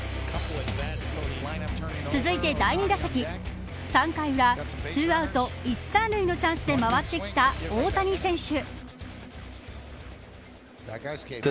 続いて第２打席３回裏、２アウト１、３塁のチャンスで回ってきた大谷選手。